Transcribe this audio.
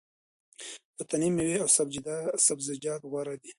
وطني مېوه او سبزیجات غوره دي.